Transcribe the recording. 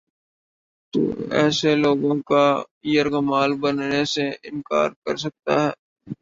تو ایسے لوگوں کا یرغمال بننے سے انکار کر سکتا ہے۔